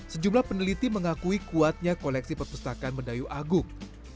sejumlah peneliti mengakui kuatnya koleksi perpustakaan mendayu agung